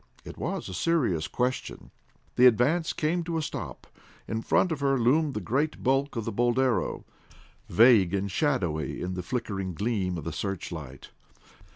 It was a serious question. The Advance came to a stop. In front of her loomed the great bulk of the Boldero, vague and shadowy in the flickering gleam of the searchlight.